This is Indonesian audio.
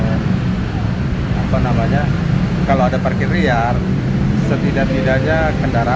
di sisi baiknya gitu kalau apa namanya kalau ada parkir liar setidak tidaknya kendaraan aman